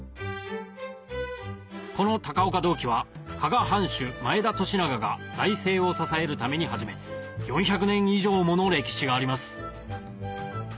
この高岡銅器は加賀藩主前田利長が財政を支えるために始め４００年以上もの歴史があります